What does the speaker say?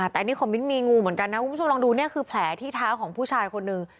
แต่อันนี้ของมิ้นมีงูเหมือนกันนะคุณผู้ชมลองดูเนี่ยคือแผลที่เท้าของผู้ชายคนนึง